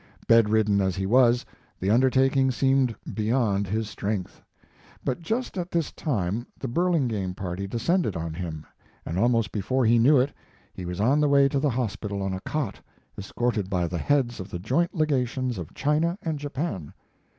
Bedridden as he was, the undertaking seemed beyond his strength. But just at this time the Burlingame party descended on him, and almost before he knew it he was on the way to the hospital on a cot, escorted by the heads of the joint legations of China and Japan.